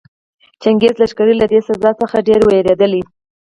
چنګېزي لښکرې له دې سزا څخه ډېرې ووېرېدلې.